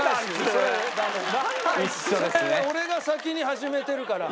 それ俺が先に始めてるから。